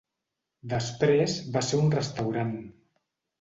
Després va ser un restaurant.